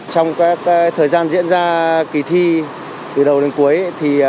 trong thời gian diễn ra kỳ thi từ đầu đến cuối